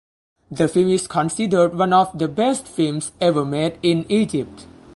The film is considered one of the best films ever made in Egypt.